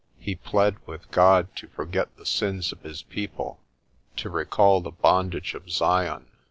He pled with God to forget the sins of his people, to recall the bondage of Zion.